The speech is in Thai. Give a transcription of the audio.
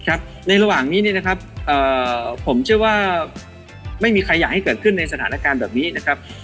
ในระหว่างนี้เนี่ยนะครับผมเชื่อว่าไม่มีใครอยากให้เกิดขึ้นในสถานการณ์แบบนี้นะครับ